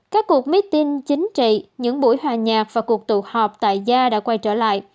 các cuộc meeting chính trị những buổi hòa nhạc và cuộc tụ họp tại gia đã quay trở lại